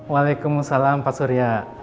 waalaikumsalam pak surya